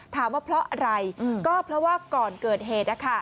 ถามว่าเพราะอะไรก็เพราะว่าก่อนเกิดเหตุ